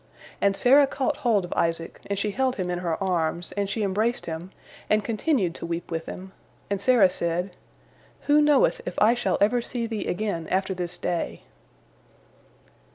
And Sarah caught hold of Isaac, and she held him in her arms, and she embraced him, and continued to weep with him, and Sarah said, "Who knoweth if I shall ever see thee again after this day?"